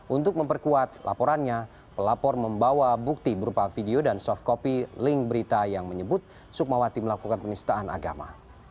untuk memperkuat laporannya pelapor membawa bukti berupa video dan soft copy link berita yang menyebut sukmawati melakukan penistaan agama